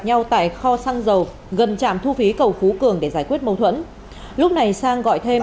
nhau tại kho xăng dầu gần trạm thu phí cầu phú cường để giải quyết mâu thuẫn lúc này sang gọi thêm